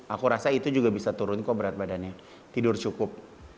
aku rasa itu juga bisa turun kok berat badannya tidur cukup